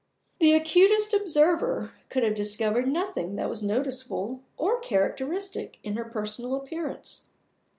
The acutest observer could have discovered nothing that was noticeable or characteristic in her personal appearance.